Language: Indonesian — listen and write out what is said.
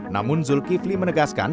namun zulkifli menegaskan